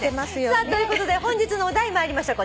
さあということで本日のお題参りましょう。